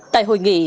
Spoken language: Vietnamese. tại hội nghị